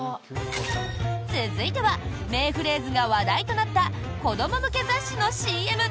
続いては名フレーズが話題となった子ども向け雑誌のＣＭ。